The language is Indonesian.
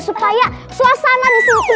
supaya suasana disini